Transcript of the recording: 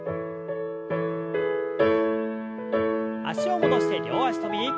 脚を戻して両脚跳び。